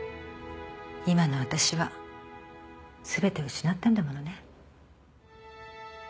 今の私は全て失ったんだものね。